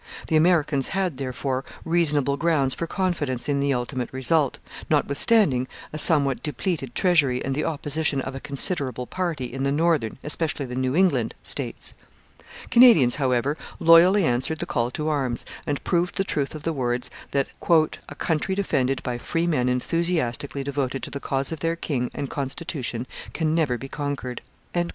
The Americans had, therefore, reasonable grounds for confidence in the ultimate result, notwithstanding a somewhat depleted treasury and the opposition of a considerable party in the northern, especially the New England, States. Canadians, however, loyally answered the call to arms, and proved the truth of the words that 'a country defended by free men enthusiastically devoted to the cause of their king and constitution can never be conquered.'